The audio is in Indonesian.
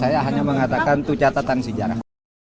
saya hanya mengatakan itu catatan sejarah